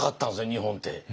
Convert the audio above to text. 日本って。